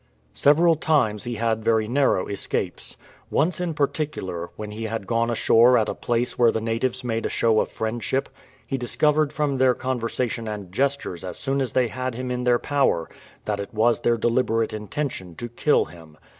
Several times he had very narrow escapes. Once in par ticular, when he had gone ashore at a place where the natives made a show of friendship, he discovered from their conversation and gestures as soon as they had him in their power that it was their deliberate intention to kill him.